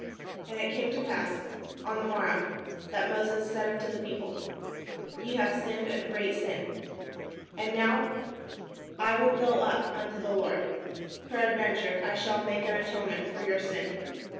And it came to pass on the morrow, that Moses said unto the people :" Ye have sinned a great sin, and now I 539 PALESTINE will go up unto the Lord ; peradventure I shall make an atonement for your sin."